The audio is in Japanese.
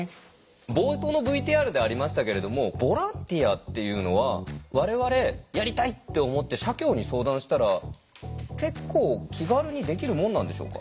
冒頭のＶＴＲでありましたけれどもボランティアっていうのは我々「やりたい」って思って社協に相談したら結構気軽にできるもんなんでしょうか？